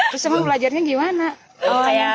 terus emang belajarnya gimana